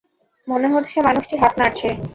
মনে হচ্ছে মানুষটি হাত নাড়ছে।